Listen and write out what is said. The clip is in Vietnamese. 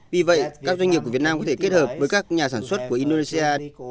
vì vậy các doanh nghiệp của việt nam có thể kết hợp với các nhà sản xuất của indonesia